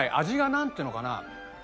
味がなんていうのかな